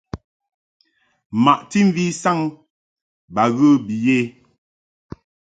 Maʼti mvi saŋ ba ghə bi yə.